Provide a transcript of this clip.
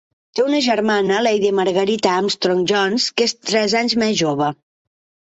Té una germana, Lady Margarita Armstrong-Jones, que és tres anys més jove.